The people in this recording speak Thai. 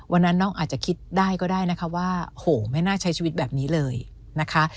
วันนั้นน้องอาจจะคิดได้ก็ได้นะคะว่าโหไม่น่าใช้ชีวิตแบบนี้เลยนะคะ